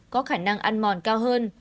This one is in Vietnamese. có khả năng ăn mòn cao hơn